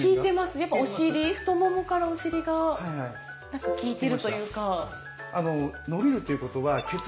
やっぱお尻太ももからお尻が効いてるというか。